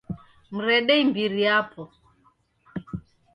Mrede imbiri yapo